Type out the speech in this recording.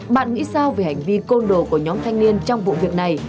bạn nghĩ sao về hành vi côn đồ của nhóm thanh niên trong vụ việc này